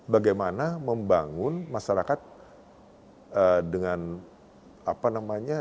bagaimana membangun masyarakat dengan apa namanya